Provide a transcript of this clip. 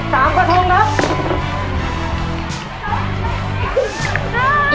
เท่าไหร่แล้วอีก๕อันนะคะอีก๕กระทงครับ